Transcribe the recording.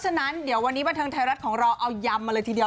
ฉะนั้นเดี๋ยววันนี้บันเทิงไทยรัฐของเราเอายำมาเลยทีเดียว